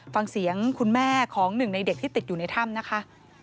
ฟังเสียงคุณแม่ของหนึ่งในเด็กที่ติดอยู่ในถ้ำนะคะ